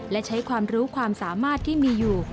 และใช้ความรู้ความสามารถที่มีอยู่